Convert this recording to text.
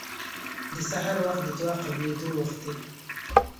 د سحر وخت د دعا قبلېدو وخت دی.